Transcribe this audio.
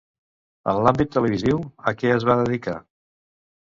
En l'àmbit televisiu, a què es va dedicar?